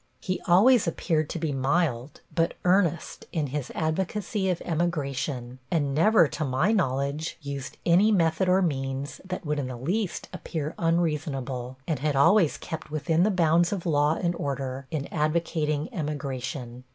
He always appeared to be mild but earnest in his advocacy of emigration, and never to my knowledge used any method or means that would in the least appear unreasonable, and had always kept within the bounds of law and order in advocating emigration.